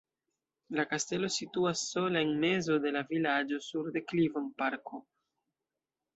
La kastelo situas sola en mezo de la vilaĝo sur deklivo en parko.